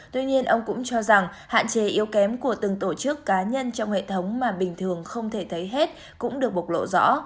tuy nhiên ông cũng cho rằng hạn chế yếu kém của từng tổ chức cá nhân trong hệ thống mà bình thường không thể thấy hết cũng được bộc lộ rõ